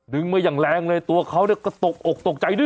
ดึงมาอย่างแรงเลยตัวเขาก็ตกออกตกใจ